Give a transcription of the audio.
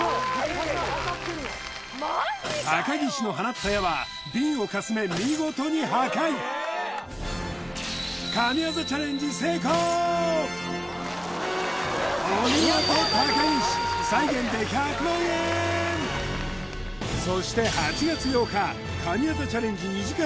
高岸の放った矢はビンをかすめお見事高岸再現で１００万円そして８月８日神業チャレンジ２時間